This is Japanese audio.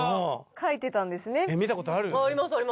書いてたんですね。